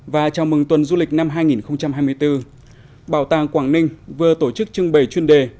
và chào mừng tuần du lịch năm hai nghìn hai mươi bốn bảo tàng quảng ninh vừa tổ chức trưng bày chuyên đề